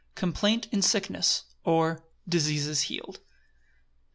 Complaint in sickness; or, diseases healed.